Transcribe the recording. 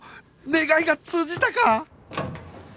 願いが通じたか？